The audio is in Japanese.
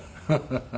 ハハハ！